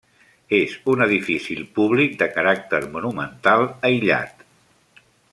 És un edifici públic de caràcter monumental, aïllat.